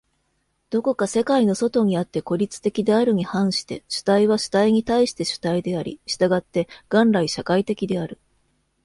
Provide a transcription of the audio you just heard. どこか世界の外にあって孤立的であるに反して、主体は主体に対して主体であり、従って元来社会的である。